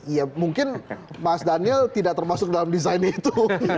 ya mungkin mas daniel tidak termasuk dalam desain itu